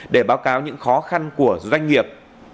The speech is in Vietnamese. để báo cáo những khó khăn của doanh nghiệp